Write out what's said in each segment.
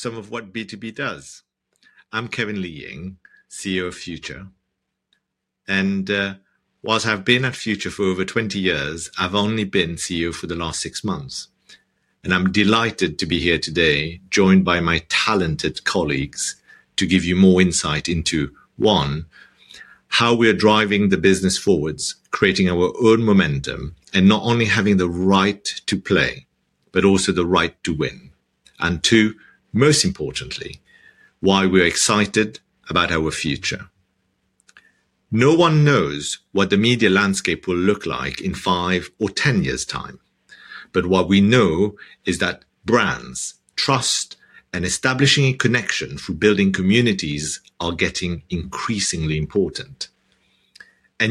Some of what B2B does. I'm Kevin Li Ying, CEO of Future plc, and whilst I've been at Future plc for over 20 years, I've only been CEO for the last six months. I'm delighted to be here today joined by my talented colleagues to give you more insight into one, how we are driving the business forwards, creating our own momentum and not only having the right to play but also the right to win, and two, most importantly, why we're excited about our future. No one knows what the media landscape will look like in five or ten years' time, but what we know is that brands, trust, and establishing a connection through building communities are getting increasingly important.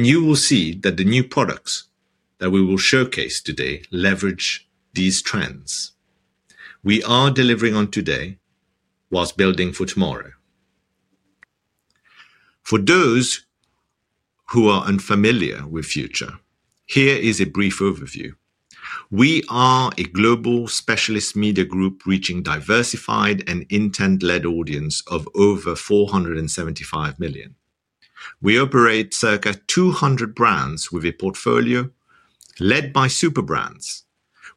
You will see that the new products that we will showcase today leverage these trends we are delivering on today whilst building for tomorrow. For those who are unfamiliar with Future plc, here is a brief overview. We are a global specialist media group reaching a diversified and intent-led audience of over 475 million. We operate circa 200 brands with a portfolio led by super brands,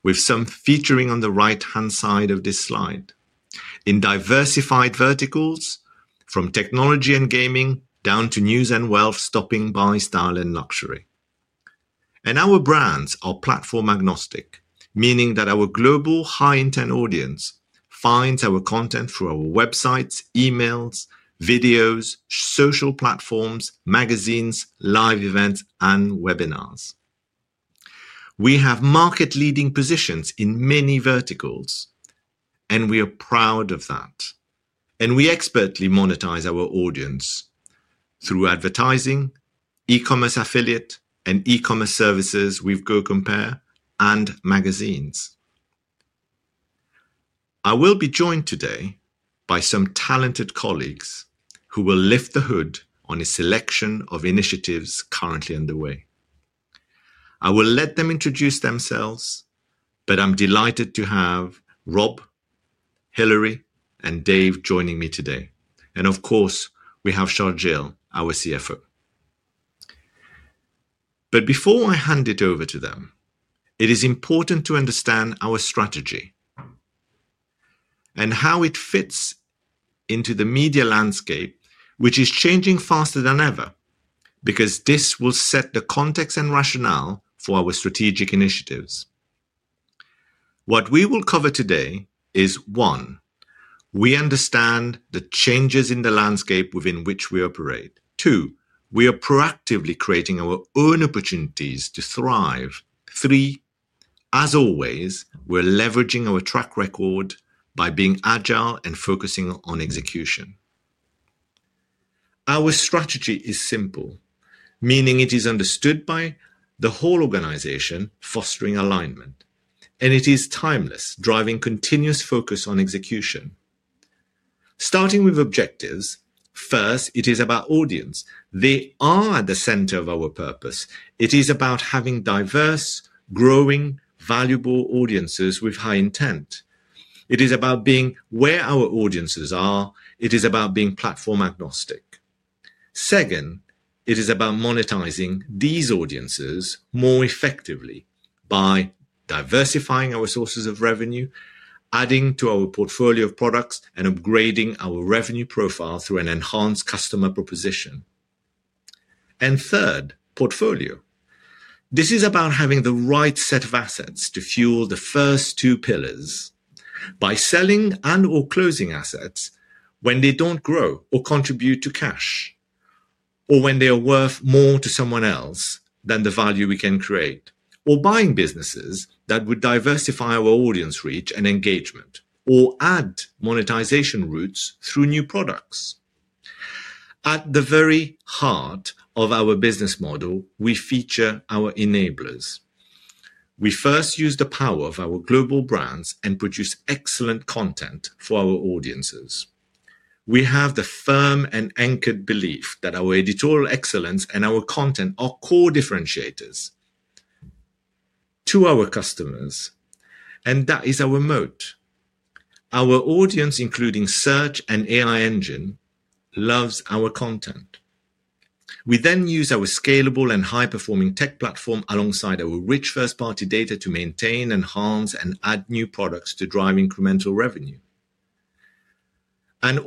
with some featuring on the right-hand side of this slide, in diversified verticals from technology and gaming down to news and wealth, stopping by style and luxury. Our brands are platform agnostic, meaning that our global high-intent audience finds our content through our websites, emails, videos, social platforms, magazines, live events, and webinars. We have market-leading positions in many verticals, and we are proud of that. We expertly monetize our audience through advertising, eCommerce, affiliate, and eCommerce services with GoCompare and magazines. I will be joined today by some talented colleagues who will lift the hood on a selection of initiatives currently underway. I will let them introduce themselves, but I'm delighted to have Rob, Hilary, and Dave joining me today. Of course, we have Sharjeel, our CFO. Before I hand it over to them, it is important to understand our strategy and how it fits into the media landscape, which is changing faster than ever, because this will set the context and rationale for our strategic initiatives. What we will cover today is, one, we understand the changes in the landscape within which we operate; two, we are proactively creating our own opportunities to thrive; three, as always, we're leveraging our track record by being agile and focusing on execution. Our strategy is simple, meaning it is understood by the whole organization, fostering alignment, and it is timeless, driving continuous focus on execution starting with objectives first. It is about audience. They are at the center of our purpose. It is about having diverse, growing, valuable audiences with high intent. It is about being where our audiences are. It is about being platform agnostic. Second, it is about monetizing these audiences more effectively by diversifying our sources of revenue and adding to our portfolio of products and upgrading our revenue profile through an enhanced customer proposition. Third, portfolio, this is about having the right set of assets to fuel the first two pillars by selling and or closing assets when they don't grow or contribute to cash or when they are worth more to someone else than the value we can create, or buying businesses that would diversify our audience reach and engagement or add monetization routes through new products. At the very heart of our business model, we feature our enablers. We first use the power of our global brands and produce excellent content for our audiences. We have the firm and anchored belief that our editorial excellence and our content are core differentiators to our customers, and that is our moat. Our audience, including search and AI engine, loves our content. We then use our scalable and high-performing tech platform alongside our rich first-party data to maintain, enhance, and add new products to drive incremental revenue.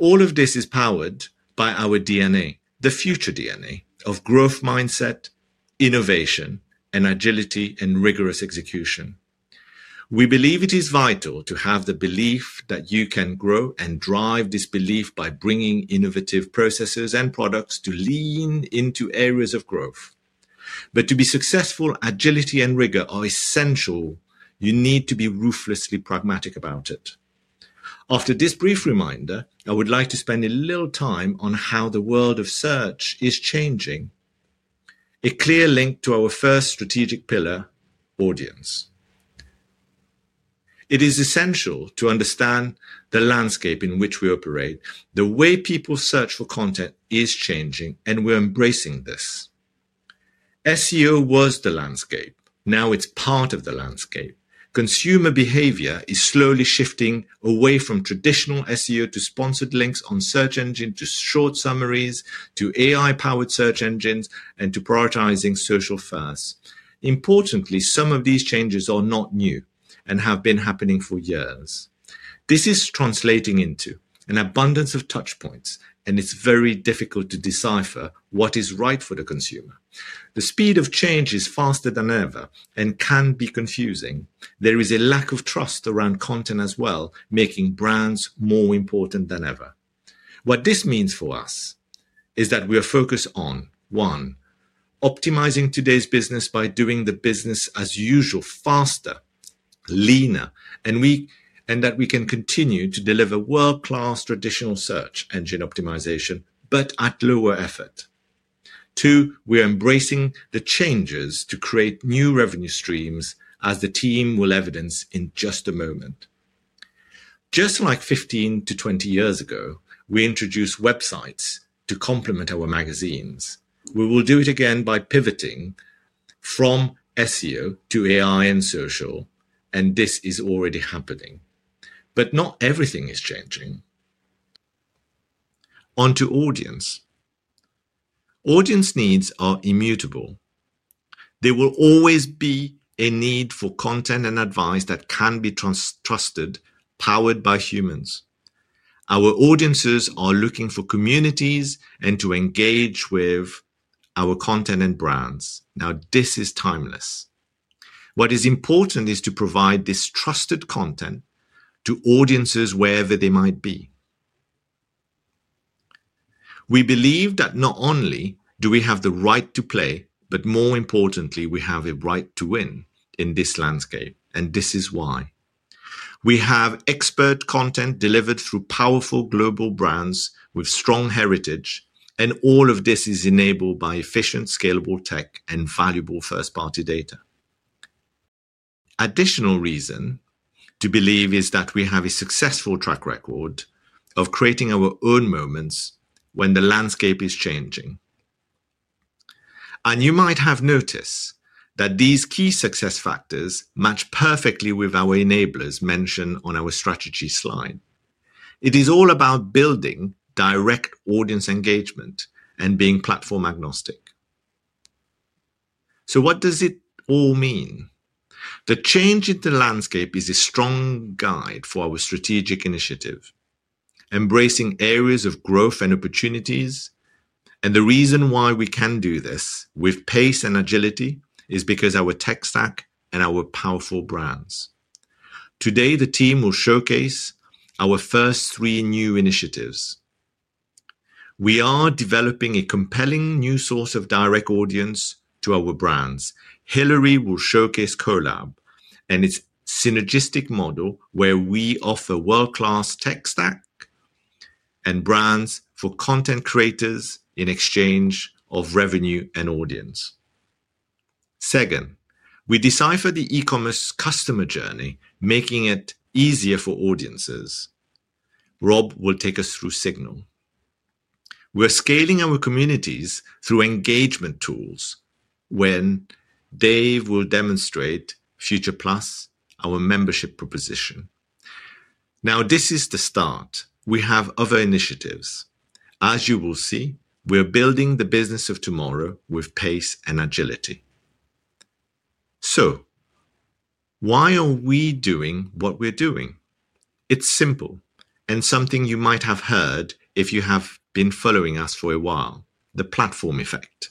All of this is powered by our DNA, the Future DNA of growth mindset, innovation and agility, and rigorous execution. We believe it is vital to have the belief that you can grow and drive this belief by bringing innovative processes and products to lean into areas of growth. To be successful, agility and rigor are essential. You need to be ruthlessly pragmatic about it. After this brief reminder, I would like to spend a little time on how the world of search is changing, a clear link to our first strategic pillar, audience. It is essential to understand the landscape in which we operate. The way people search for content is changing, and we're embracing this. SEO was the landscape, now it's part of the landscape. Consumer behavior is slowly shifting over away from traditional SEO to sponsored links on search engines, to short summaries, to AI-powered search engines, and to prioritizing social fares. Importantly, some of these changes are not new and have been happening for years. This is translating into an abundance of touch points, and it's very difficult to decipher what is right for the consumer. The speed of change is faster than ever and can be confusing. There is a lack of trust around content as well, making brands more important than ever. What this means for us is that we are focused on, one, optimizing today's business by doing the business as usual, faster, leaner, and that we can continue to deliver world-class traditional search engine optimization but at lower effort. Two, we are embracing the changes to create new revenue streams, as the team will evidence in just a moment. Just like 15 to 20 years ago we introduced websites to complement our magazines, we will do it again by pivoting from SEO to AI and social. This is already happening. Not everything is changing onto audience. Audience needs are immutable. There will always be a need for content and advice that can be trusted. Powered by humans, our audiences are looking for communities and to engage with our content and brands. This is timeless. What is important is to provide this trusted content to audiences wherever they might be. We believe that not only do we have the right to play, but more importantly we have a right to win in this landscape. This is why we have expert content delivered through powerful global brands with strong heritage. All of this is enabled by efficient, scalable tech and valuable first-party data. An additional reason to believe is that we have a successful track record of creating our own moments when the landscape is changing. You might have noticed that these key success factors match perfectly with our enablers mentioned on our strategy slide. It is all about building direct audience engagement and being platform agnostic. What does it all mean? The change in the landscape is a strong guide for our strategic initiative, embracing areas of growth and opportunities, and the reason why we can do this with pace and agility is because of our tech stack and our powerful brands. Today the team will showcase our first three new initiatives. We are developing a compelling new source of direct audience to our brands. Hilary Kerr will showcase Collab and its synergistic model where we offer world-class tech stack and brands for content creators in exchange for revenue and audience. Second, we decipher the eCommerce customer journey, making it easier for audiences. Rob will take us through Signal. We're scaling our communities through engagement tools, when Dave will demonstrate Future Plus, our membership proposition. This is the start. We have other initiatives, as you will see. We're building the business of tomorrow with pace and agility. Why are we doing what we're doing? It's simple and something you might have heard if you have been following us for a while. The platform effect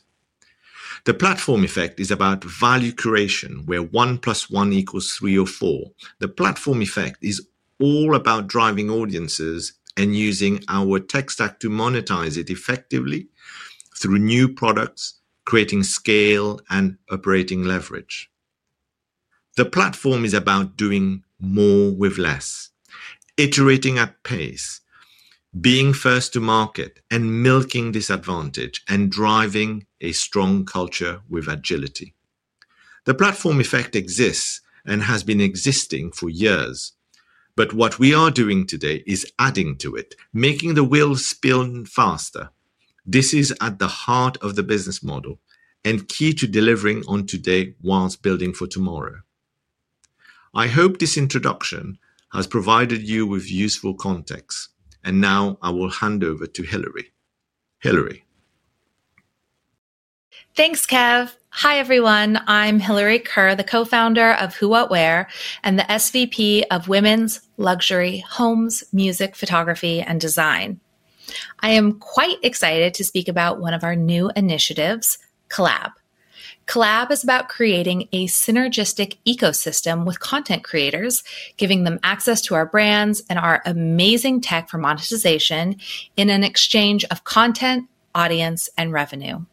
is about value creation where 1, 1, 3 or 4. The platform effect is all about driving audiences and using our tech stack to monetize it effectively through new products, creating scale and operating leverage. The platform is about doing more with less, iterating at pace, being first to market, milking disadvantage, and driving a strong culture with agility. The platform effect exists and has been existing for years, but what we are doing today is adding to it, making the wheel spin faster. This is at the heart of the business model and key to delivering on today whilst building for tomorrow. I hope this introduction has provided you with useful context. I will hand over to Hilary. Hilary. Thanks Kev. Hi everyone, I'm Hilary Kerr, the Co-Founder of Who What Wear and the Senior Vice President of Women's Luxury, Homes, Music, Photography and Design. I am quite excited to speak about one of our new initiatives, Collab. Collab is about creating a synergistic ecosystem with content creators, giving them access to our brands and our amazing tech for monetization in an exchange of content, audience, and revenue.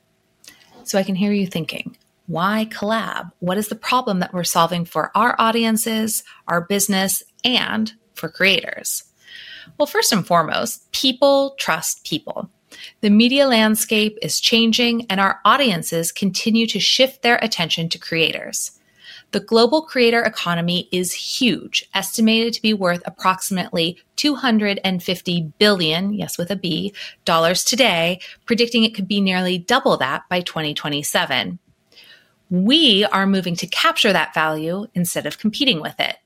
I can hear you thinking, why Collab? What is the problem that we're solving for our audiences, our business, and for creators? First and foremost, people trust people. The media landscape is changing, and our audiences continue to shift their attention to creators. The global creator economy is huge, estimated to be worth approximately $250 billion—yes, with a B—today, predicting it could be nearly double that by 2027. We are moving to capture that value instead of competing with it.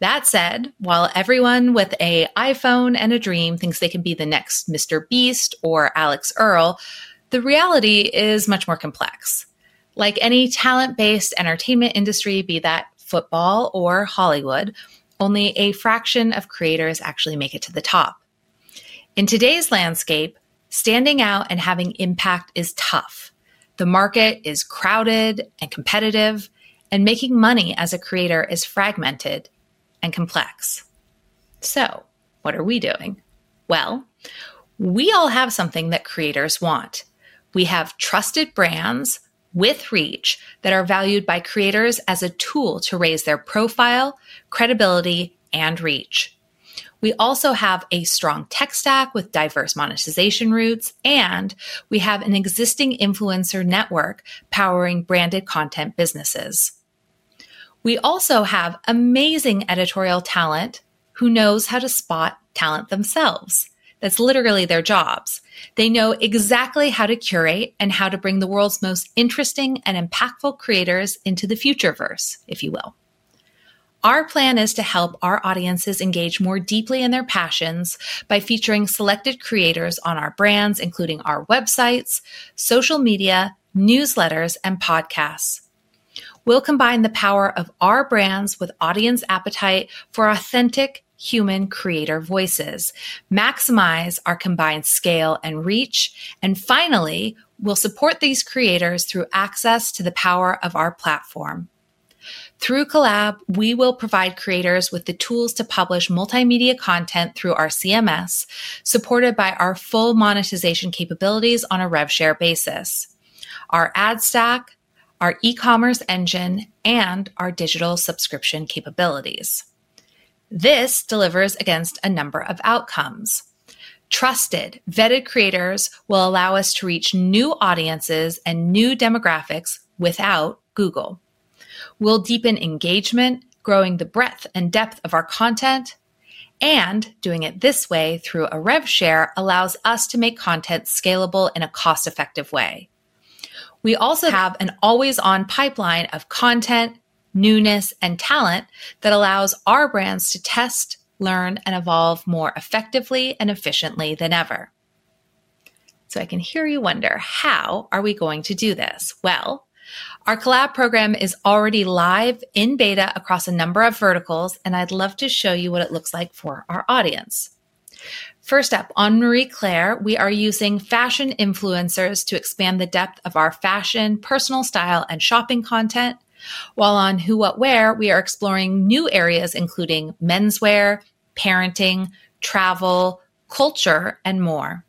That said, while everyone with an iPhone and a dream thinks they could be the next Mr. Beast or Alex Earle, the reality is much more complex. Like any talent-based entertainment industry, be that football or Hollywood, only a fraction of creators actually make it to the top. In today's landscape, standing out and having impact is tough. The market is crowded and competitive, and making money as a creator is fragmented and complex. What are we doing? We all have something that creators want. We have trusted brands with reach that are valued by creators as a tool to raise their profile, credibility, and reach. We also have a strong tech stack with diverse monetization routes, and we have an existing influencer network powering branded content businesses. We also have amazing editorial talent who knows how to spot talent themselves. That's literally their jobs. They know exactly how to curate and how to bring the world's most interesting and impactful creators into the futureverse, if you will. Our plan is to help our audiences engage more deeply in their passions by featuring selected creators on our brands, including our websites, social media, newsletters, and podcasts. We'll combine the power of our brands with audience appetite for authentic human creator voices, maximize our combined scale and reach, and finally, we'll support these creators through access to the power of our platform through Collab. We will provide creators with the tools to publish multimedia content through our CMS, supported by our full monetization capabilities on a rev share basis, our ad stack, our eCommerce engine, and our digital subscription capabilities. This delivers against a number of outcomes. Trusted, vetted creators will allow us to reach new audiences and new demographics. Without Google, we'll deepen engagement. Growing the breadth and depth of our content and doing it this way through a rev share allows us to make content scalable in a cost-effective way. We also have an always-on pipeline of content, newness, and talent that allows our brands to test, learn, and evolve more effectively and efficiently than ever. I can hear you wonder how are we going to do this. Our Collab program is already live in beta across a number of verticals, and I'd love to show you what it looks like for our audience. First up, on Marie Claire, we are using fashion influencers to expand the depth of our fashion, personal style, and shopping content. While on Who What Wear, we are exploring new areas including menswear, parenting, travel, culture, and more.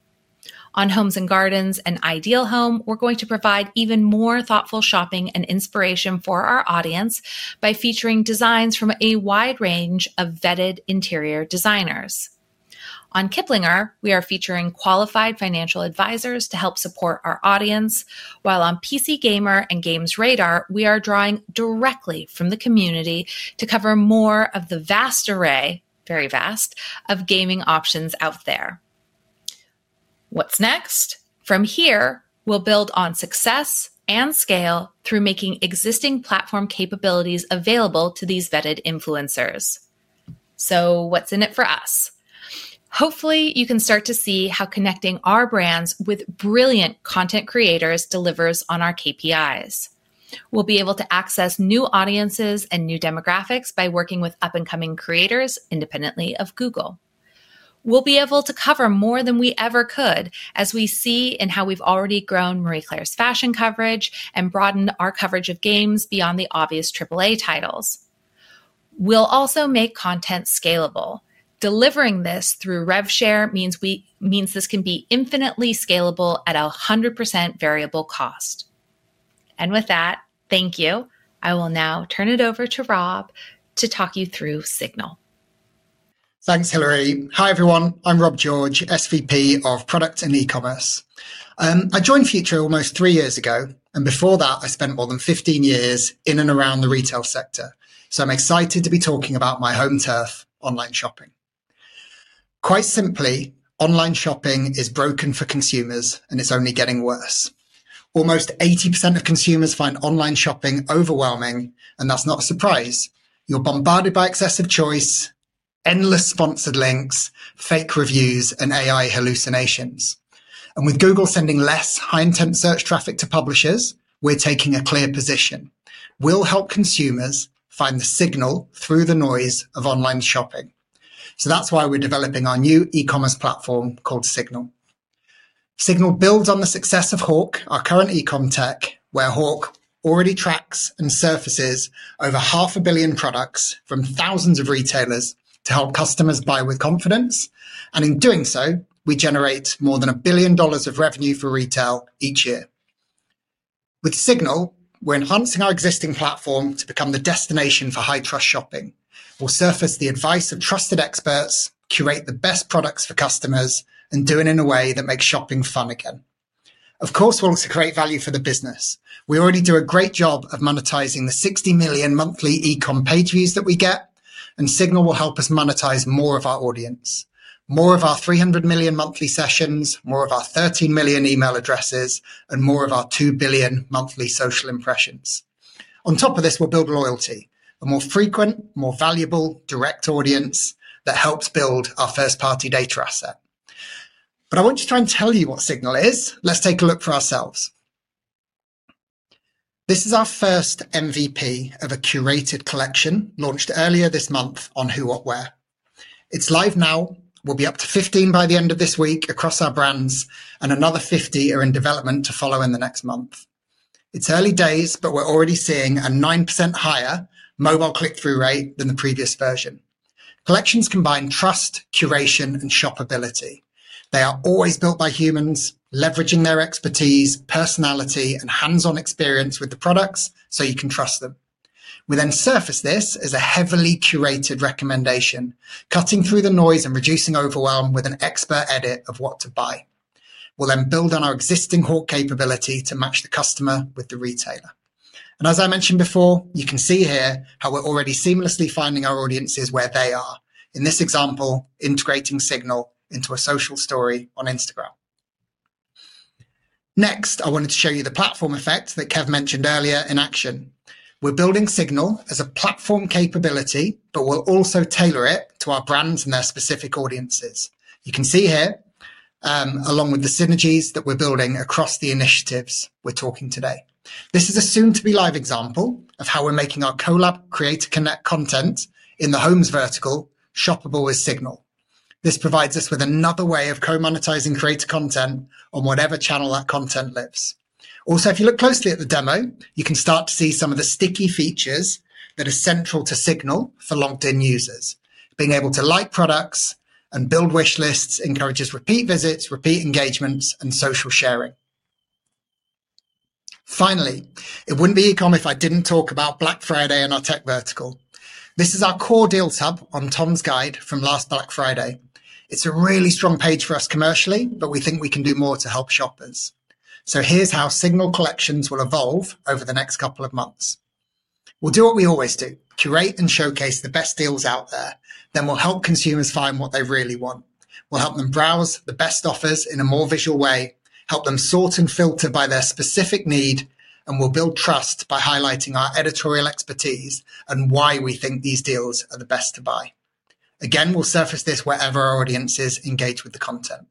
On Homes & Gardens and Ideal Home, we're going to provide even more thoughtful shopping and inspiration for our audience by featuring designs from a wide range of vetted interior designers. On Kiplinger, we are featuring qualified financial advisors to help support our audience, while on PC Gamer and GamesRadar, we are drawing directly from the community to cover more of the vast array, very vast, of gaming options out there. What's next? From here, we'll build on success and scale through making existing platform capabilities available to these vetted influencers. What's in it for us? Hopefully, you can start to see how connecting our brands with brilliant content creators delivers on our KPIs. We'll be able to access new audiences and new demographics. By working with up-and-coming creators independently of Google, we'll be able to cover more than we ever could. As we see in how we've already grown Marie Claire's fashion coverage and broadened our coverage of games beyond the obvious AAA titles, we'll also make content scalable. Delivering this through rev share means this can be infinitely scalable at 100% variable cost. Thank you, I will now turn it over to Rob to talk you through Signal. Thanks Hilary. Hi everyone, I'm Rob George, Senior Vice President of Product and E-Commerce. I joined Future almost three years ago and before that I spent more than 15 years in and around the retail sector. I'm excited to be talking about my home turf, online shopping. Quite simply, online shopping is broken for consumers and it's only getting worse. Almost 80% of consumers find online shopping overwhelming and that's not a surprise. You're bombarded by excessive choice, endless sponsored links, fake reviews, and AI hallucinations. With Google sending less high intent search traffic to publishers, we're taking a clear position. We'll help consumers find the Signal through the noise of online shopping. That's why we're developing our new e-commerce platform called Signal. Signal builds on the success of Hawk, our current e-commerce tech, where Hawk already tracks and surfaces over half a billion products from thousands of retailers to help customers buy with confidence. In doing so, we generate more than $1 billion of revenue for retail each year. With Signal, we're enhancing our existing platform to become the destination for high trust shopping. We'll surface the advice of trusted experts, curate the best products for customers, and do it in a way that makes shopping fun again. Of course, we'll also create value for the business. We already do a great job of monetizing the 60 million monthly e-commerce page views that we get and Signal will help us monetize more of our audience, more of our 300 million monthly sessions, more of our 13 million email addresses, and more of our 2 billion monthly social impressions. On top of this, we'll build loyalty, a more frequent, more valuable direct audience that helps build our first-party data asset. I want to try and tell you what Signal is. Let's take a look for ourselves. This is our first MVP of a curated collection launched earlier this month on Who What Wear. It's live now. We'll be up to 15 by the end of this week across our brands and another 50 are in development to follow in the next month. It's early days but we're already seeing a 9% higher mobile click-through rate than the previous version. Collections combine trust, curation, and shopability. They are always built by humans, leveraging their expertise, personality, and hands-on experience with the products so you can trust them. We then surface this as a heavily curated recommendation, cutting through the noise and reducing overwhelm with an expert edit of what to buy. We'll then build on our existing Hawk capability to match the customer with the retailer. As I mentioned before, you can see here how we're already seamlessly finding our audiences where they are. In this example, it's integrating Signal into a social story on Instagram. Next, I wanted to show you the platform effect that Kevin Li Ying mentioned earlier. In action, we're building Signal as a platform capability, but we'll also tailor it to our brands and their specific audiences. You can see here, along with the synergies that we're building across the initiatives we're talking about today, this is a soon to be live example of how we're making our Collab creator connect content in the homes vertical shoppable in Signal. This provides us with another way of co-monetizing creator content on whatever channel that content lives. Also, if you look closely at the demo, you can start to see some of the sticky features that are central to Signal for logged in users. Being able to like products and build wishlists encourages repeat visits, repeat engagements, and social sharing. Finally, it wouldn't be eCommerce if I didn't talk about Black Friday in our tech vertical. This is our core deal tab on Tom's Guide from last Black Friday. It's a really strong page for us commercially, but we think we can do more to help shoppers. Here's how Signal collections will evolve over the next couple of months. We'll do what we always do, curate and showcase the best deals out there. We'll help consumers find what they really want. We'll help them browse the best offers in a more visual way, help them sort and filter by their specific need. We'll build trust by highlighting our editorial expertise and why we think these deals are the best to buy. Again, we'll surface this wherever our audiences engage with the content.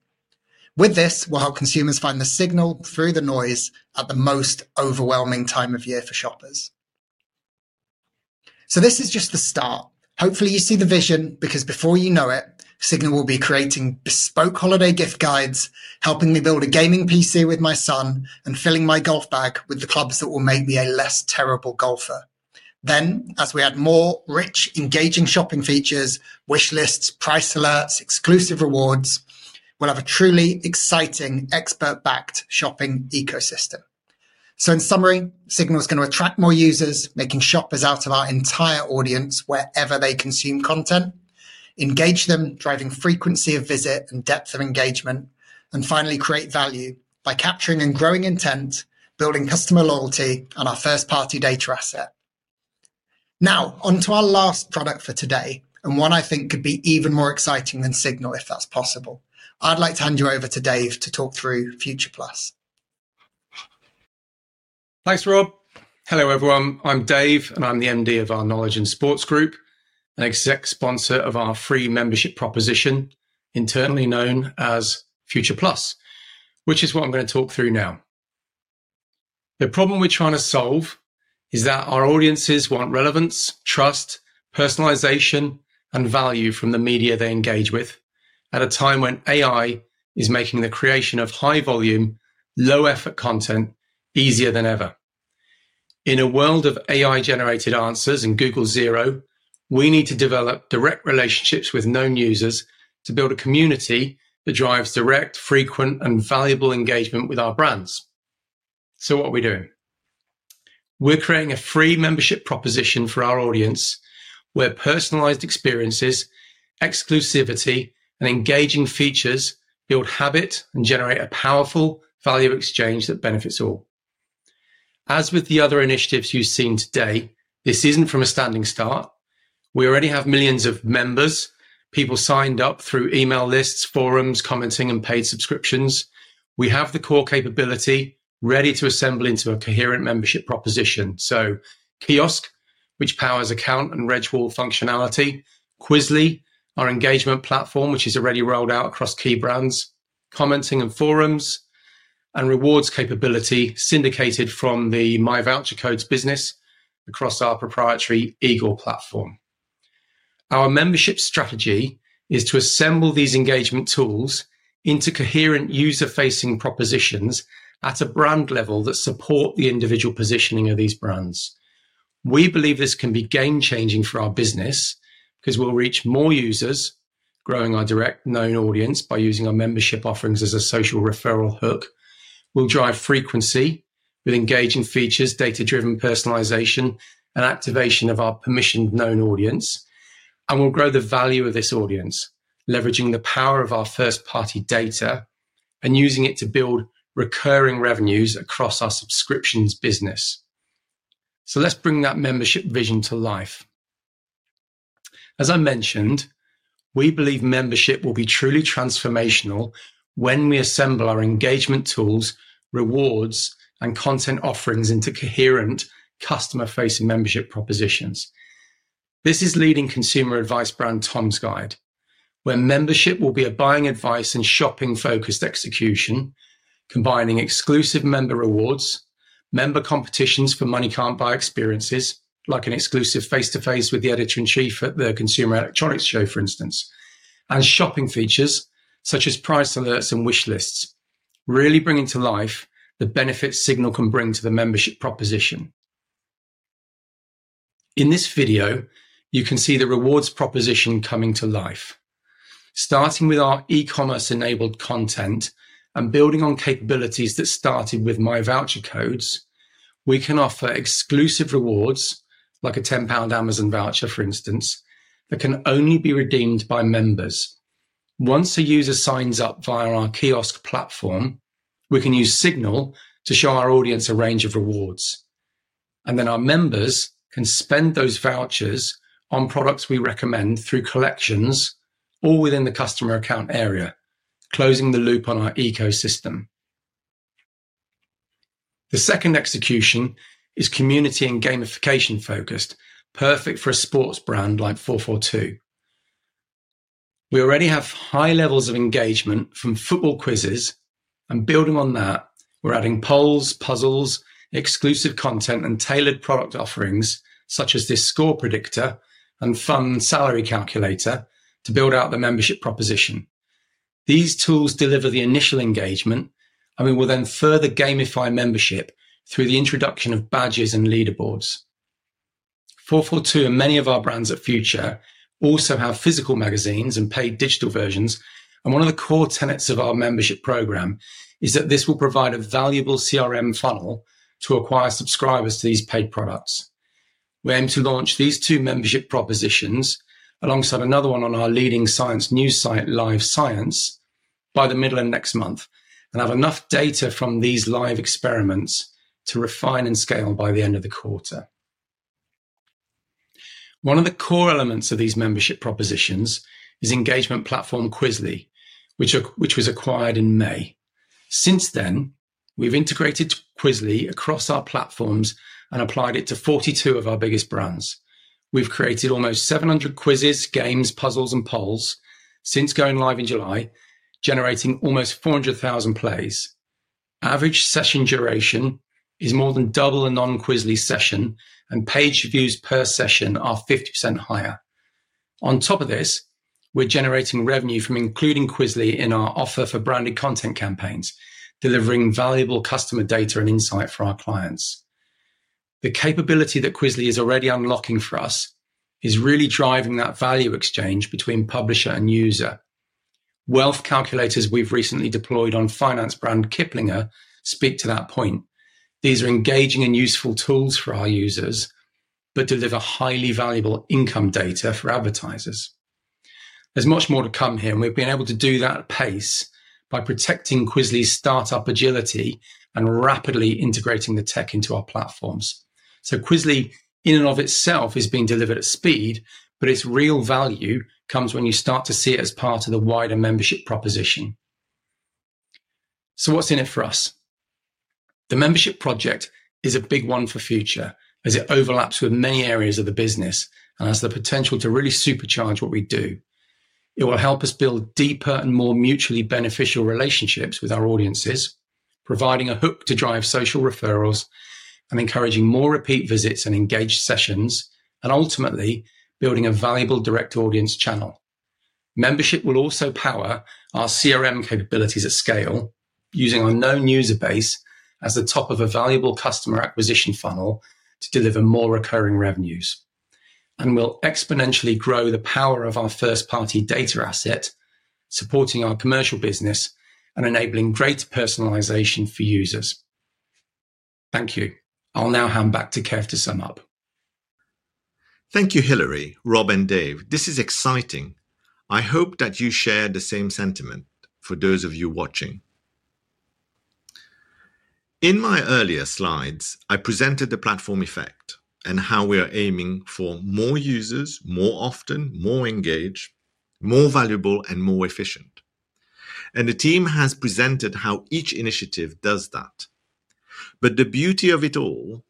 With this, we'll help consumers find the signal through the noise at the most overwhelming time of year for shoppers. This is just the start. Hopefully you see the vision because before you know it, Signal will be creating bespoke holiday gift guides, helping me build a gaming PC with my son, and filling my golf bag with the clubs that will make me a less terrible golfer. As we add more rich, engaging shopping features, wishlists, price alerts, exclusive rewards, we'll have a truly exciting expert-backed shopping ecosystem. In summary, Signal is going to attract more users, making shoppers out of our entire audience wherever they consume content, engage them, driving frequency of visit and depth of engagement. Finally, create value by capturing and growing intent, building customer loyalty on our first-party data asset. Now onto our last product for today and one I think could be even more exciting than Signal. If that's possible, I'd like to hand you over to Dave to talk through Future Plus. Thanks, Rob. Hello everyone, I'm Dave and I'm the Managing Director of our Knowledge & Sports Group, an exec sponsor of our free membership proposition internally known as Future Plus, which is what I'm going to talk through now. The problem we're trying to solve is that our audiences want relevance, trust, personalization, and value from the media they engage with. At a time when AI is making the creation of high-volume, low-effort content easier than ever in a world of AI-generated answers and Google zero, we need to develop direct relationships with known users to build a community that drives direct, frequent, and valuable engagement with our brands. What are we doing? We're creating a free membership proposition for our audience where personalized experiences, exclusivity, and engaging features build habit and generate a powerful value exchange that benefits all. As with the other initiatives you've seen today, this isn't from a standing start. We already have millions of members—people signed up through email lists, forums, commenting, and paid subscriptions. We have the core capability ready to assemble into a coherent membership proposition. Kiosk powers account and reg wall functionality, Quizly, our engagement platform, is already rolled out across key brands, commenting and forums, and rewards capability syndicated from the My Voucher Codes business across our proprietary Eagle platform. Our membership strategy is to assemble these engagement tools into coherent user-facing propositions at a brand level that support the individual positioning of these brands. We believe this can be game-changing for our business because we'll reach more users, growing our direct known audience by using our membership offerings as a social referral hook. We'll drive frequency with engaging features, data-driven personalization, and activation of our permissioned known audience. We'll grow the value of this audience, leveraging the power of our first-party data and using it to build recurring revenues across our subscriptions business. Let's bring that membership vision to life. As I mentioned, we believe membership will be truly transformational when we assemble our engagement tools, rewards, and content offerings into coherent customer-facing membership propositions. This is leading consumer advice brand Tom's Guide where membership will be a buying advice and shopping focused execution, combining exclusive member rewards, member competitions for money can't buy experiences like an exclusive face to face with the Editor in Chief at the Consumer Electronics Show, for instance, and shopping features such as price alerts and wish lists, really bringing to life the benefits Signal can bring to the membership proposition. In this video, you can see the rewards proposition coming to life. Starting with our eCommerce enabled content and building on capabilities that started with MyVoucherCodes, we can offer exclusive rewards like a £10 Amazon voucher, for instance, that can only be redeemed by members. Once a user signs up via our Kiosk platform, we can use Signal to show our audience a range of rewards, and then our members can spend those vouchers on products we recommend through collections, all within the customer account area, closing the loop on our ecosystem. The second execution is community and gamification focused, perfect for a sports brand like 442. We already have high levels of engagement from football quizzes, and building on that, we're adding polls, puzzles, exclusive content, and tailored product offerings such as this score predictor and fund salary calculator to build out the membership proposition. These tools deliver the initial engagement, and we will then further gamify membership through the introduction of badges and leaderboards. 442 and many of our brands at Future also have physical magazines and paid digital versions, and one of the core tenets of our membership program is that this will provide a valuable CRM funnel to acquire subscribers to these paid products. We aim to launch these two membership propositions alongside another one on our leading science news site, Live Science, by the middle of next month, and have enough data from these live experiments to refine and scale by the end of the quarter. One of the core elements of these membership propositions is engagement platform Quizly, which was acquired in May. Since then, we've integrated Quizly across our platforms and applied it to 42 of our biggest brands. We've created almost 700 quizzes, games, puzzles, and polls since going live in July, generating almost 400,000 plays. Average session duration is more than double a non-Quizly session, and page views per session are 50% higher. On top of this, we're generating revenue from including Quizly in our offer for branded content campaigns, delivering valuable customer data and insight for our clients. The capability that Quizly is already unlocking for us is really driving that value exchange between publisher and user. Wealth calculators we've recently deployed on finance brand Kiplinger speak to that point. These are engaging and useful tools for our users, but deliver highly valuable income data for advertisers. There's much more to come here, and we've been able to do that at pace by protecting Quizly's startup agility and rapidly integrating the tech into our platforms. Quizly in and of itself is being delivered at speed, but its real value comes when you start to see it as part of the wider membership proposition. What's in it for us? The membership project is a big one for Future, as it overlaps with many areas of the business and has the potential to really supercharge what we do. It will help us build deeper and more mutually beneficial relationships with our audiences, providing a hook to drive social referrals and encouraging more repeat visits and engaged sessions, and ultimately building a valuable direct audience channel. Membership will also power our CRM capabilities at scale, using our known user base as the top of a valuable customer acquisition funnel to deliver more recurring revenues, and we'll exponentially grow the power of our first-party data asset, supporting our commercial business and enabling great personalization for users. Thank you. I'll now hand back to Kev to. Sum up, thank you Hilary, Rob, and Dave. This is exciting. I hope that you share the same sentiment. For those of you watching, in my earlier slides I presented the Platform Effect and how we are aiming for more users more often, more engaged, more valuable, and more efficient. The team has presented how each initiative does that. The beauty of it all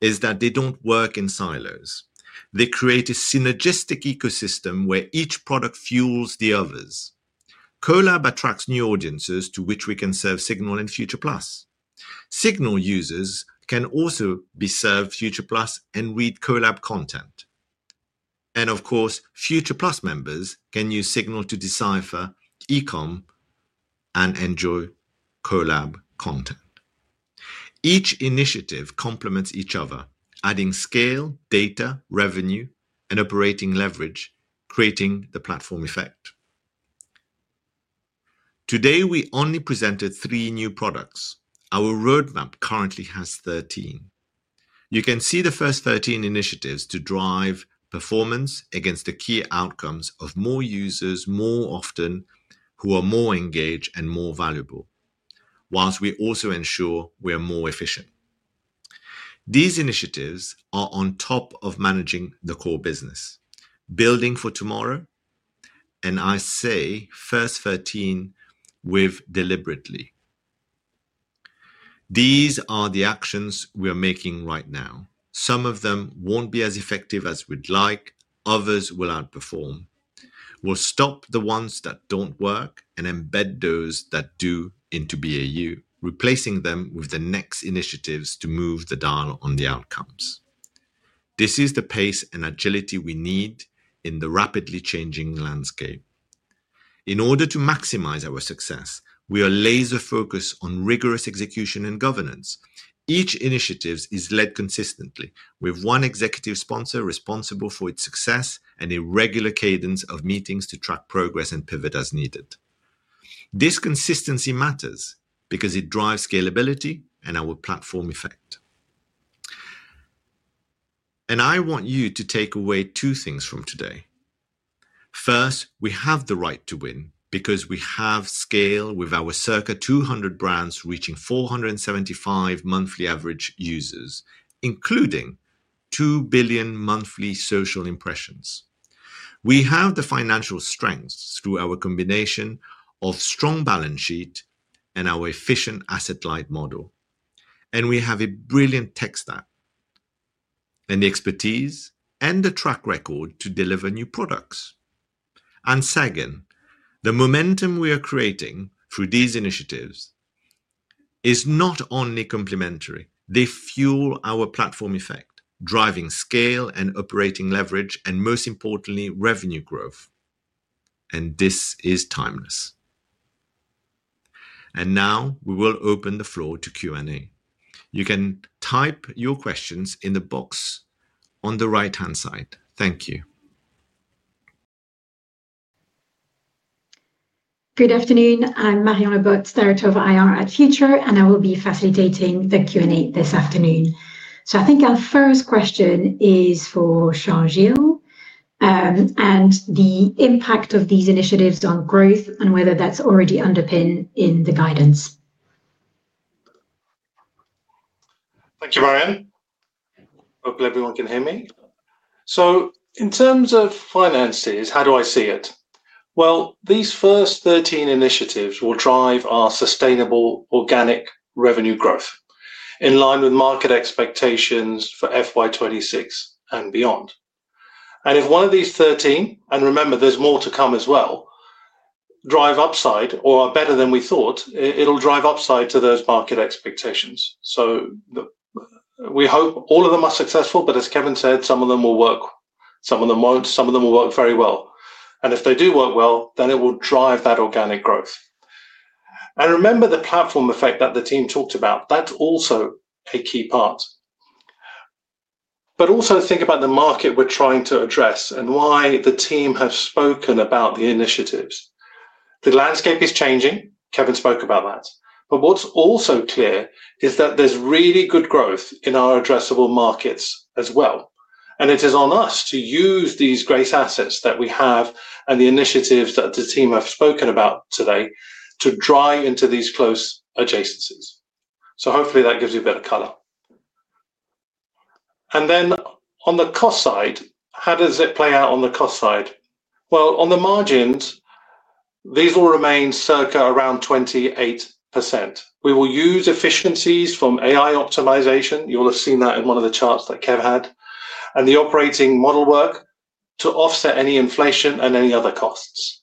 is that they don't work in silos. They create a synergistic ecosystem where each product fuels the others. Collab attracts new audiences to which we can serve Signal and Future Plus. Signal users can also be served Future Plus and read Collab content. Of course, Future Plus members can use Signal to decipher eCommerce and enjoy Collab content. Each initiative complements each other, adding scale, data, revenue, and operating leverage, creating the Platform Effect. Today we only presented three new products. Our roadmap currently has 13. You can see the first 13 initiatives to drive performance against the key outcomes of more users more often who are more engaged and more valuable, whilst we also ensure we are more efficient. These initiatives are on top of managing the core business, building for tomorrow. I say first 13 deliberately; these are the actions we are making right now. Some of them won't be as effective as we'd like. Others will outperform. We'll stop the ones that don't work and embed those that do get into BAU, replacing them with the next initiatives to move the dial on the outcomes. This is the pace and agility we need in the rapidly changing landscape in order to maximize our success. We are laser focused on rigorous execution and governance. Each initiative is led consistently with one executive sponsor responsible for its success and a regular cadence of meetings to track progress and pivot as needed. This consistency matters because it drives scalability and our Platform Effect. I want you to take away two things from today. First, we have the right to win because we have scale with our circa 200 brands reaching 475 million monthly average users including 2 billion monthly social impressions. We have the financial strengths through our combination of strong balance sheet and our efficient asset-light model, and we have a brilliant tech stack and the expertise and the track record to deliver new products. Second, the momentum we are creating through these initiatives is not only complementary, they fuel our Platform Effect, driving scale and operating leverage and most importantly revenue growth. This is timeless. Now we will open the floor to Q&A. You can type your questions in the box on the right-hand side. Thank you. Good afternoon, I'm Marianne Le Bot, Director of Investor Relations at Future plc, and I will be facilitating the Q&A this afternoon. I think our first question is for Sharjeel Suleman and the impact of these initiatives on growth and whether that's already underpinned in the guidance. Thank you, Marianne. Hopefully everyone can hear me. In terms of finances, how do I see it? These first 13 initiatives will drive our sustainable organic revenue growth in line with market expectations for FY26 and beyond. If one of these 13, and remember there's more to come as well, drive upside or are better than we thought, it'll drive upside to those market expectations. We hope all of them are successful. As Kevin said, some of them will work, some of them won't, some of them will work very well. If they do work well, then it will drive that organic growth. Remember the platform effect that the team talked about, that's also a key part. Also think about the market we're trying to address and why the team have spoken about the initiatives. The landscape is changing, Kevin spoke about that. What's also clear is that there's really good growth in our addressable markets as well. It is on us to use these great assets that we have and the initiatives that the team have spoken about today to drive into these close adjacencies. Hopefully that gives you a bit of color. On the cost side, how does it play out on the cost side? On the margins, these will remain circa around 28%. We will use efficiencies from AI-driven efficiencies. You will have seen that in one of the charts that Kevin had and the operating model work to offset any inflation and any other costs.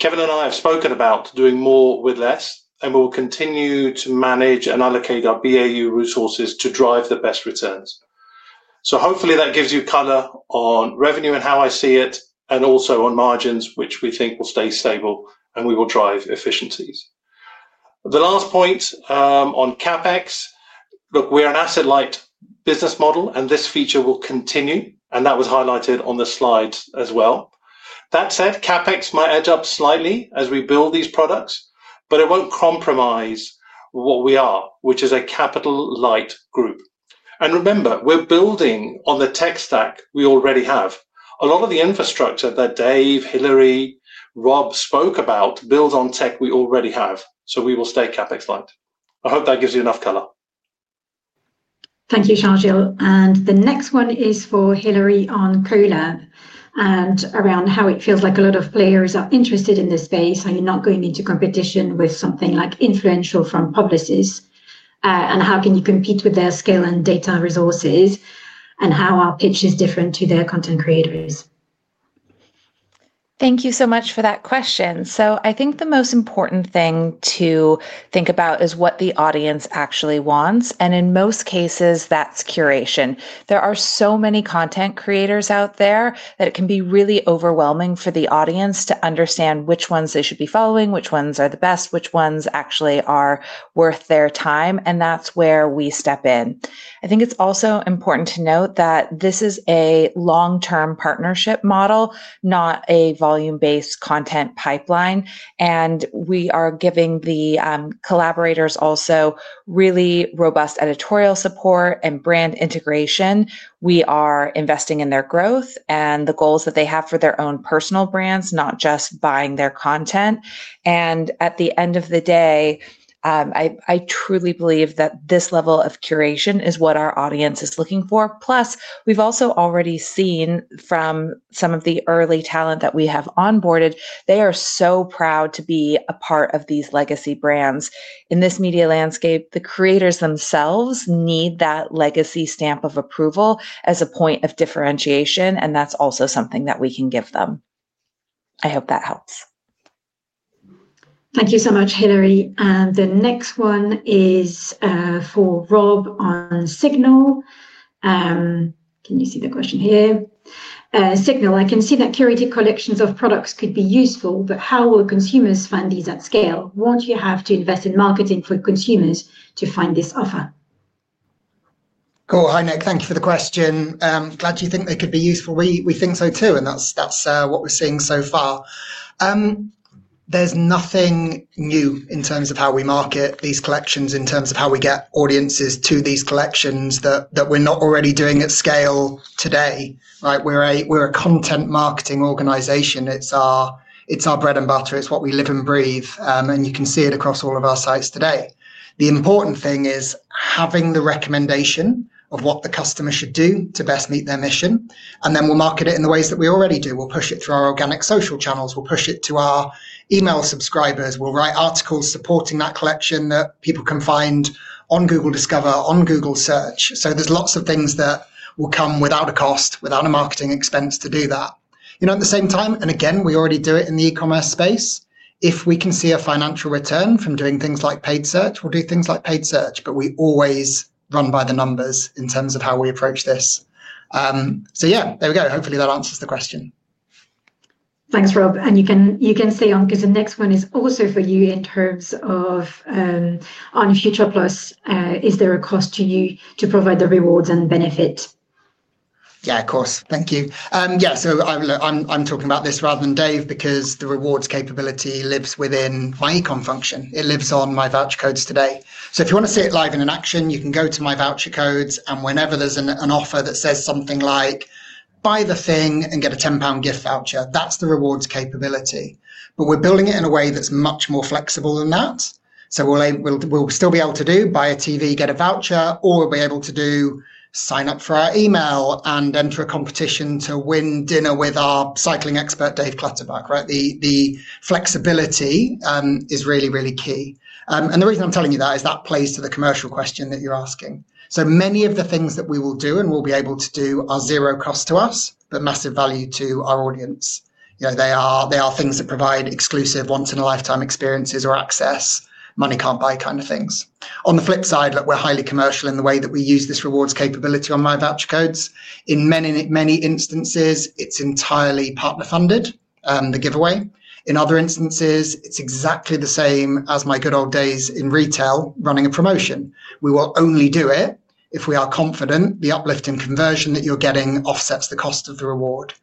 Kevin and I have spoken about doing more with less and we will continue to manage and allocate our BAU resources to drive the best returns. Hopefully that gives you color on revenue and how I see it and also on margins, which we think will stay stable and we will drive efficiencies. The last point on CapEx, look, we are an asset-light business model and this feature will continue and that was highlighted on the slide as well. That said, CapEx might edge up slightly as we build these products, but it won't compromise what we are, which is a capital-light group. Remember, we're building on the tech stack. We already have a lot of the infrastructure that Dave, Hilary, Rob spoke about builds on tech we already have. We will stay CapEx light. I hope that gives you enough color. Thank you. The next one is for Hilary on Collab and around how it feels like a lot of players are interested in this space. You're not going into competition with something like Influential, Front, Publicis, and how can you compete with their scale and data resources, and how our pitch is different to their content creators. Thank you so much for that question. I think the most important thing to think about is what the audience actually wants, and in most cases that is curation. There are so many content creators out there that it can be really overwhelming for the audience to understand which ones they should be following, which ones are the best, which ones actually are worth their time. That's where we step in. I think it's also important to note that this is a long-term partnership model, not a volume-based content pipeline. We are giving the collaborators also really robust editorial support and brand integration, and we are investing in their growth and the goals that they have for their own personal brands, not just buying their content. At the end of the day, I truly believe that this level of curation is what our audience is looking for. Plus, we've also already seen from some of the early talent that we have onboarded, they are so proud to be a part of these legacy brands in this media landscape. The creators themselves need that legacy stamp of approval as a point of differentiation, and that's also something that we can give them. I hope that helps. Thank you so much, Hilary. The next one is for Rob on Signal. Can you see the question here? Signal. I can see that curated collections of products could be useful, but how will consumers find these at scale? Won't you have to invest in marketing for consumers to find this offer? Cool. Hi Nick, thank you for the question. Glad you think they could be useful. We think so too and that's what we're seeing so far. There's nothing new in terms of how we market these collections, in terms of how we get audiences to these collections that we're not already doing at scale. Today we're a content marketing organization. It's our bread and butter. It's what we live and breathe. You can see it across all of our sites today. The important thing is having the recommendation of what the customer should do to best meet their mission. Then we'll market it in the ways that we already do. We'll push it through our organic social channels, we'll push it to our email subscribers. We'll write articles supporting that collection that people can find on Google Discover, on Google Search. There are lots of things that will come without a cost, without a marketing expense to do that at the same time. We already do it in the eCommerce space. If we can see a financial return from doing things like paid search, we'll do things like paid search, but we always run by the numbers in terms of how we approach this. Hopefully that answers the question. Thanks, Rob. You can stay on because the next one is also for you. In terms of on Future Plus, is there a cost to you to provide the rewards and benefit? Yeah, of course. Thank you. Yeah. I'm talking about this rather than Dave because the rewards capability lives within my e-commerce function. It lives on MyVoucherCodes today. If you want to see it live in action, you can go to MyVoucherCodes and whenever there's an offer that says something like buy the thing and get a £10 gift voucher, that's the rewards capability. We're building it in a way that's much more flexible than that. We'll still be able to do buy a TV, get a voucher, or we'll be able to do sign up for our email and enter a competition to win dinner with our cycling expert, Dave Clutterbuck. The flexibility is really, really key, and the reason I'm telling you that is that plays to the commercial question that you're asking. Many of the things that we will do and will be able to do are zero cost to us, but massive value to our audience. They are things that provide exclusive once-in-a-lifetime experiences or access money-can't-buy kind of things. On the flip side, we're highly commercial in the way that we use this rewards capability on MyVoucherCodes. In many instances, it's entirely partner funded, the giveaway. In other instances, it's exactly the same as my good old days in retail running a promotion. We will only do it if we are confident the uplift in conversion that you're getting offsets the cost of the reward.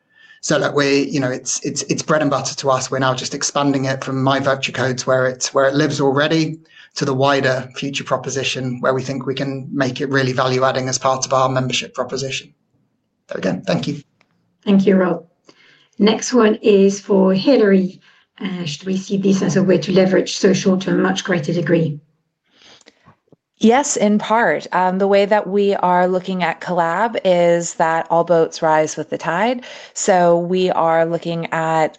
It's bread and butter to us. We're now just expanding it from MyVoucherCodes, where it lives already, to the wider Future proposition where we think we can make it really value-adding as part of our membership proposition. Again, thank you. Thank you, Rob. Next one is for Hilary. Should we see this as a way to leverage social to a much greater degree? Yes, in part the way that we are looking at Collab is that all boats rise with the tide. We are looking at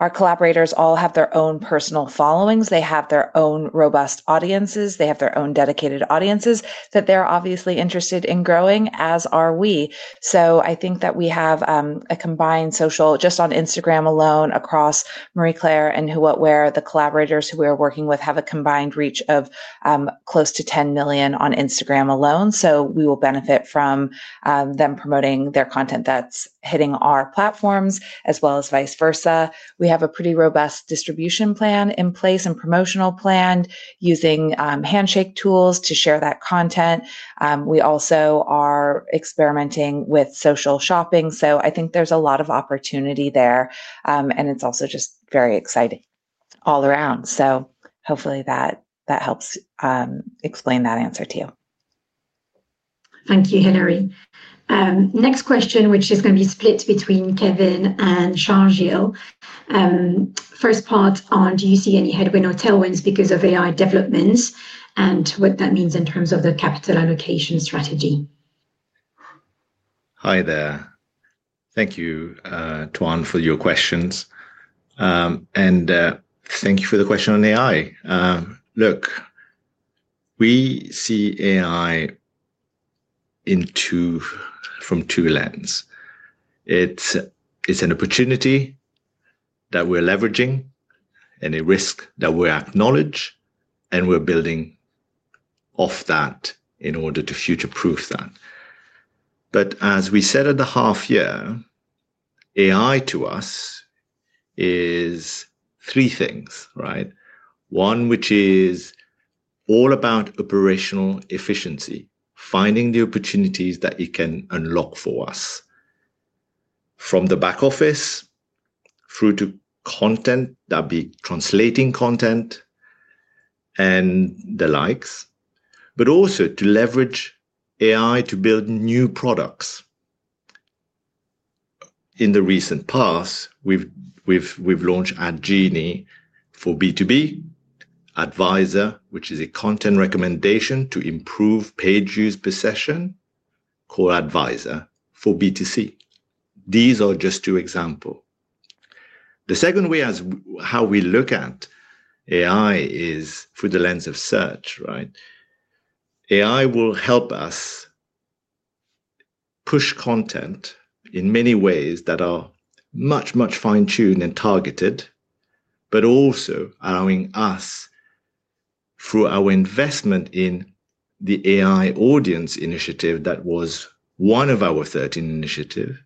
our collaborators, all have their own personal followings, they have their own robust audiences, they have their own dedicated audiences that they're obviously interested in growing as are we. I think that we have a combined social, just on Instagram alone across Marie Claire and Who What Wear, the collaborators who we are working with have a combined reach of close to 10 million on Instagram alone. We will benefit from them promoting their content that's hitting our platforms as well as vice versa. We have a pretty robust distribution plan in place and promotional plan using Handshake tools to share that content. We also are experimenting with social shopping. I think there's a lot of opportunity there and it's also just very exciting all around. Hopefully that helps explain that answer to you. Thank you, Hilary. Next question, which is going to be split between Kevin and Sharjeel. First part, on do you see any headwind or tailwinds because of AI developments and what that means in terms of the capital allocation strategy? Hi there. Thank you, Tuan, for your questions and thank you for the question. On AI, look, we see AI from two lenses. It's an opportunity that we're leveraging and a risk that we acknowledge, and we're building off that in order to future-proof that. As we said at the half year, AI to us is three things, right? One, which is all about operational efficiency, finding the opportunities that it can unlock for us from the back office through to content, that be translating content and the likes, but also to leverage AI to build new products. In the recent past, we've launched Ad Genie for B2B advisor, which is a content recommendation to improve page views per session. Core advisor for B2C, these are just two examples. The second way we look at AI is through the lens of search, right? AI will help us push content in many ways that are much, much fine-tuned and targeted, also allowing us through our investment in the AI audience initiative that was one of our 13 initiatives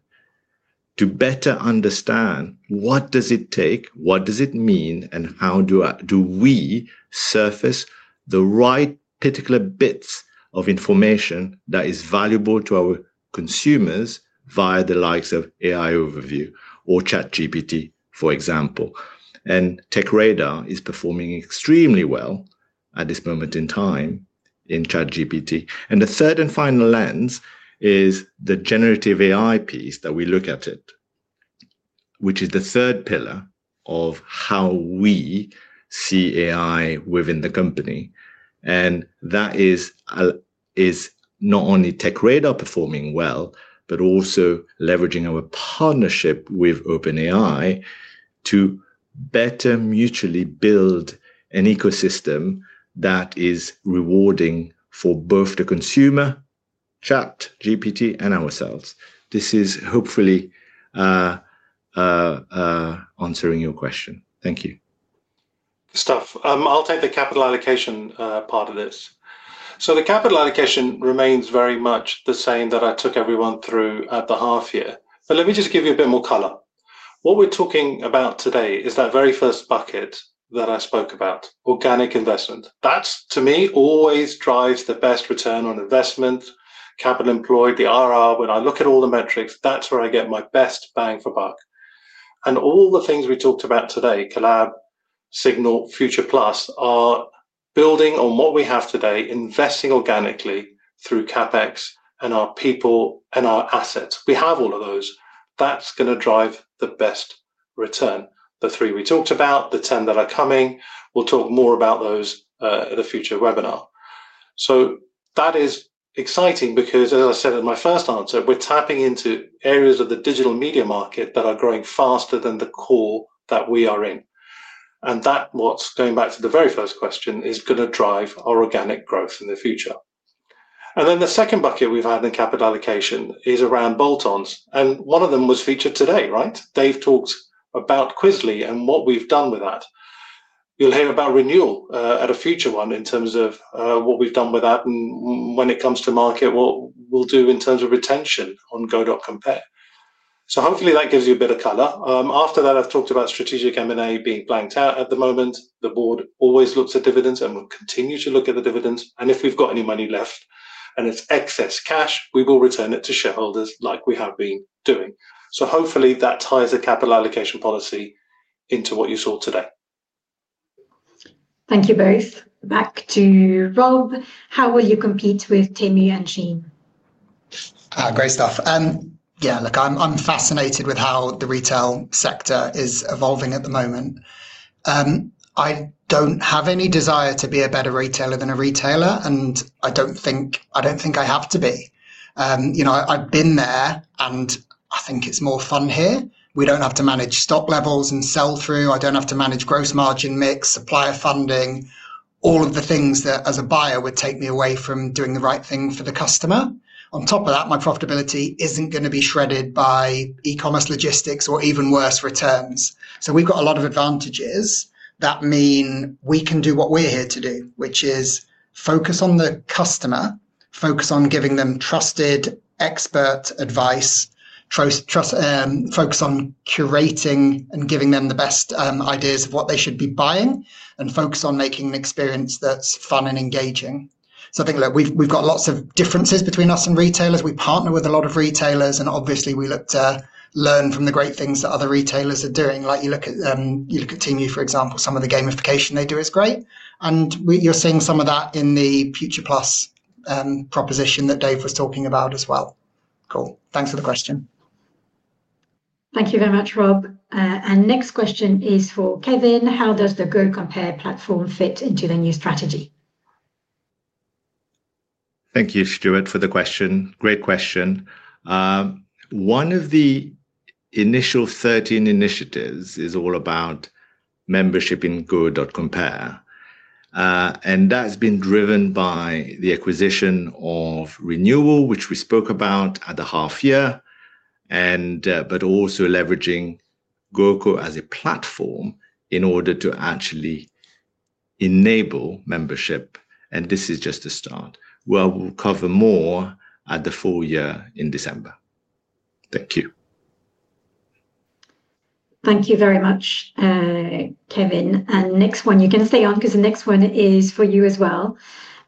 to better understand what does it take, what does it mean, and how do we surface the right particular bits of information that is valuable to our consumers via the likes of AI Overview or ChatGPT, for example. TechRadar is performing extremely well at this moment in time in ChatGPT. The third and final lens is the generative AI piece that we look at, which is the third pillar of how we see AI within the company. That is not only TechRadar performing well, but also leveraging our partnership with OpenAI to better mutually build an ecosystem that is rewarding for both the consumer, ChatGPT, and ourselves. This is hopefully answering your question. Thank you. I'll take the capital allocation part of this. The capital allocation remains very much the same that I took everyone through at the half year. Let me just give you a bit more color. What we're talking about today is that very first bucket that I spoke about, organic investment. That to me always drives the best return on investment capital employed, the ROI. When I look at all the metrics, that's where I get my best bang for buck. All the things we talked about today, Collab, Signal, Future Plus, are building on what we have today. Investing organically through CapEx and our people and our assets, we have all of those. That's going to drive the best return. The three we talked about, the 10 that are coming, we'll talk more about those at a future webinar. That is exciting because as I said in my first answer, we're tapping into areas of the digital media market that are growing faster than the core that we are in, and that's what's going back to the very first question, is going to drive organic growth in the future. The second bucket we've had in capital allocation is around bolt-ons, and one of them was featured today. Dave talked about Quizly and what we've done with that. You'll hear about renewal at a future one in terms of what we've done with that, and when it comes to market, what we'll do in terms of retention on go.com pet. Hopefully that gives you a bit of color after that. I've talked about strategic M&A being blanked out at the moment. The board always looks at dividends and will continue to look at the dividends, and if we've got any money left and it's excess cash, we will return it to shareholders like we have been doing. Hopefully that ties a capital allocation policy into what you saw today. Thank you both. Back to Rob. How will you compete with Temu and Shein? Great stuff. Yeah. Look, I'm fascinated with how the retail sector is evolving at the moment. I don't have any desire to be a better retailer than a retailer and I don't think I have to be. You know, I've been there and I think it's more fun here. We don't have to manage stock levels and sell through. I don't have to manage gross margin, mix supplier funding. All of the things that as a buyer would take me away from doing the right thing for the customer. On top of that, my profitability isn't going to be shredded by eCommerce logistics or even worse returns. We've got a lot of advantages that mean we can do what we're here to do, which is focus on the customer, focus on giving them trusted expert advice, focus on curating and giving them the best ideas of what they should be buying, and focus on making an experience that's fun and engaging. I think that we've got lots of differences between us and retailers. We partner with a lot of retailers and obviously we look to learn from the great things that other retailers are doing. Like you look at Temu for example, some of the gamification they do is great and you're seeing some of that in the Future Plus proposition that Dave was talking about as well. Cool. Thanks for the question. Thank you very much, Rob. Next question is for Kevin. How does the GoCompare platform fit into the new strategy? Thank you, Stuart, for the question. Great question. One of the initial 13 initiatives is all about membership in Go.Compare, and that has been driven by the acquisition of Renewal, which we spoke about at the half year, but also leveraging Go.Compare as a platform in order to actually enable membership. This is just a start where we'll cover more at the full year in December. Thank you. Thank you very much, Kevin. Next, you're going to stay on because the next one is for you as well.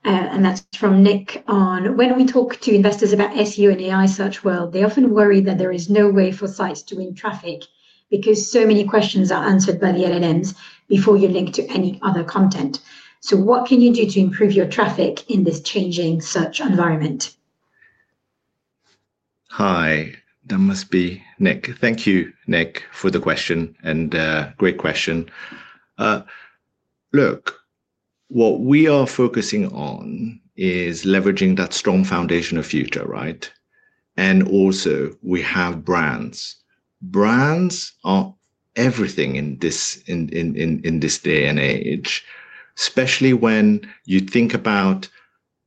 That's from Nick. When we talk to investors about SEO in the search world, they often worry that there is no way for sites to win traffic because so many questions are answered by the LLMs before you link to any other content. What can you do to improve your traffic in this changing search environment? Hi, Namasbi Nick, thank you, Nick, for the question and great question. Look, what we are focusing on is leveraging that strong foundation of Future, right? We also have brands. Brands are everything in this day and age, especially when you think about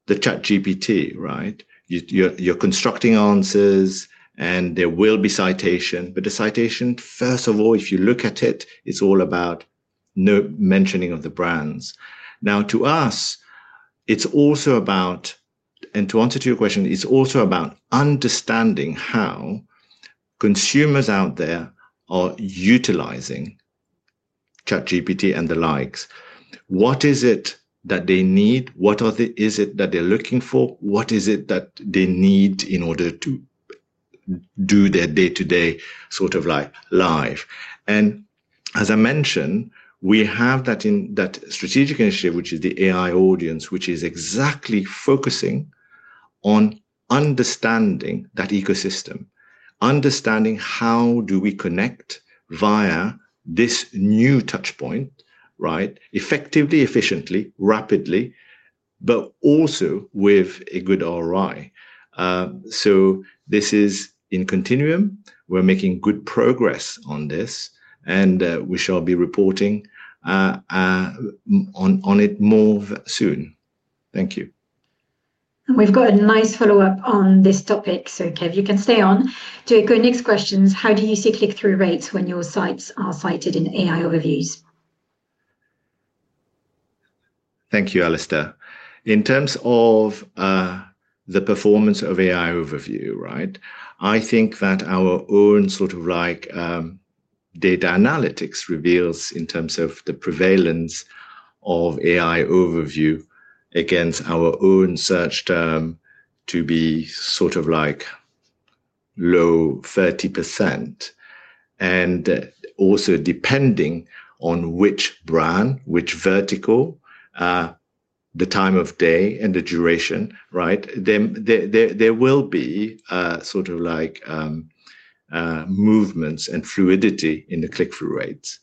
ChatGPT, right? You're constructing answers and there will be citation, but the citation, first of all, if you look at it, it's all about no mentioning of the brands. Now, to us, it's also about, and to answer your question, it's also about understanding how consumers out there are utilizing ChatGPT and the likes. What is it that they need? What is it that they're looking for? What is it that they need in order to do their day-to-day sort of like live. As I mentioned, we have that in that strategic initiative, which is the AI audience, which is exactly focusing on understanding that ecosystem, understanding how do we connect via this new touch point, right? Effectively, efficiently, rapidly, but also with a good ROI. This is in continuum. We're making good progress on this and we shall be reporting on it more soon. Thank you. We've got a nice follow-up on this topic. Kev, you can stay on joining questions. How do you see click-through rates when your sites are cited in AI overviews? Thank you, Alistair. In terms of the performance of AI overview, right, I think that our own sort of like data analytics reveals in terms of the prevalence of AI overview against our own search term to be sort of like low 30%. Also, depending on which brand, which vertical, the time of day, and the duration, there will be sort of like movements and fluidity in the click-through rates.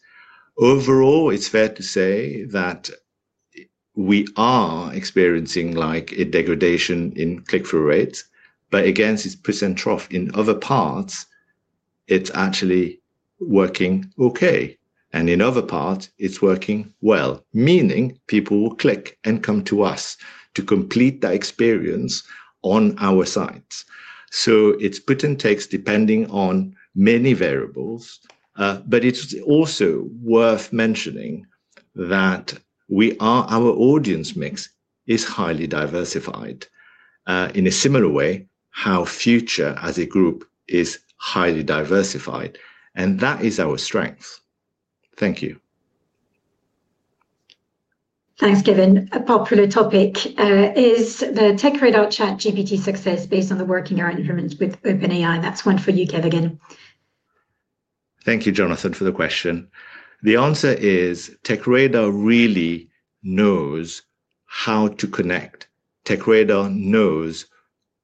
Overall, it's fair to say that we are experiencing like a degradation in click-through rates. Again, it's percent trough. In other parts, it's actually working okay and in other parts it's working well, meaning people will click and come to us to complete that experience on our sites. It's put and takes depending on many variables. It's also worth mentioning that our audience mix is highly diversified in a similar way how Future as a group is highly diversified, and that is our strength. Thank you. Thanks, Kevin. A popular topic is the TechRadar ChatGPT success based on the working arrangements with OpenAI. That's one for you, Kevin. Thank you, Jonathan, for the question. The answer is TechRadar really knows how to connect. TechRadar knows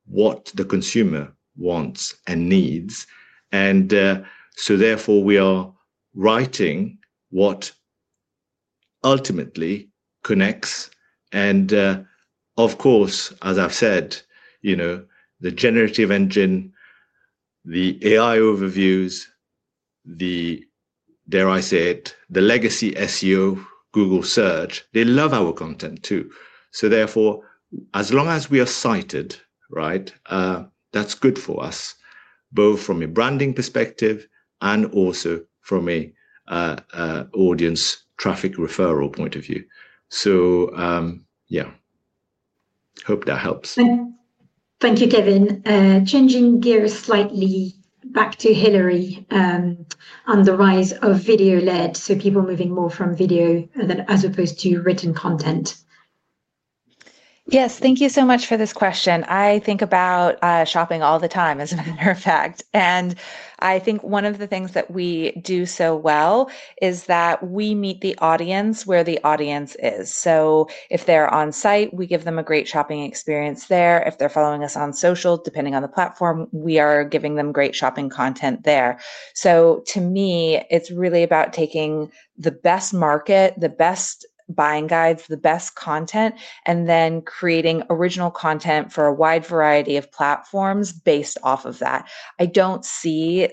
what the consumer wants and needs, and therefore we are writing what ultimately connects. Of course, as I've said, the generative engine, the AI overviews, the, dare I say it, the legacy SEO, Google search, they love our content too. Therefore, as long as we are sighted, right, that's good for us both from a branding perspective and also from an audience traffic referral point of view. Hope that helps. Thank you, Kevin. Changing gears slightly, back to Hilary on the rise of video-led. People moving more from video as opposed to written content. Yes. Thank you so much for this question. I think about shopping all the time as a matter of fact, and I think one of the things that we do so well is that we meet the audience where the audience is. If they're on site, we give them a great shopping experience there. If they're following us on social, depending on the platform, we are giving them great shopping content there. To me it's really about taking the best market, the best buying guides, the best content, and then creating original content for a wide variety of platforms based off of that. I don't see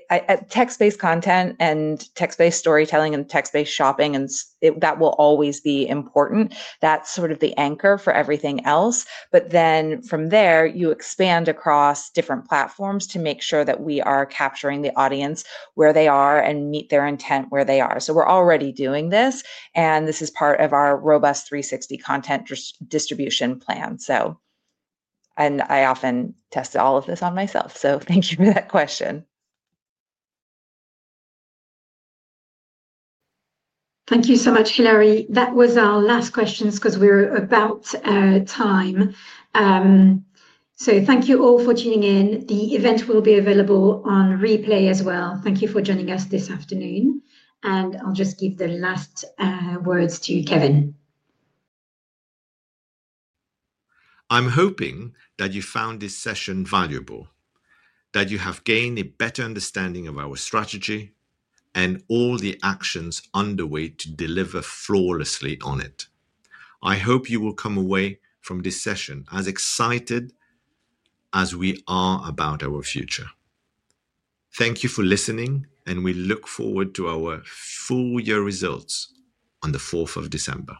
text-based content and text-based storytelling and text-based shopping, and that will always be important. That's sort of the anchor for everything else. From there you expand across different platforms to make sure that we are capturing the audience where they are and meet their intent where they are. We're already doing this and this is part of our robust 360 content distribution plan. I often test all of this on myself. Thank you for that question. Thank you so much, Larry. That was our last question because we're about out of time. Thank you all for tuning in. The event will be available on replay as well. Thank you for joining us this afternoon. I'll just give the last words to Kevin. I'm hoping that you found this session valuable, that you have gained a better understanding of our strategy and all the actions underway to deliver flawlessly on it. I hope you will come away from this session as excited as we are about our future. Thank you for listening, and we look forward to our full year results on December 4.